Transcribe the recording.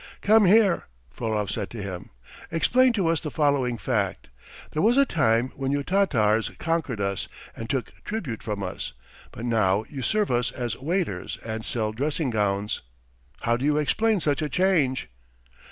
"Come here!" Frolov said to him. "Explain to us the following fact: there was a time when you Tatars conquered us and took tribute from us, but now you serve us as waiters and sell dressing gowns. How do you explain such a change?"